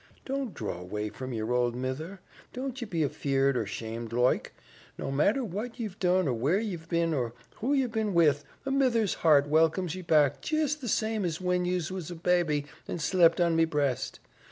Don't draw away from yer ould mither. Don't ye be afeard or 'shamed loike. No matter what ye've done or where ye've been or who ye've been with, a mither's heart welcomes ye back jist the same as when yes were a babby an' slept on me breast.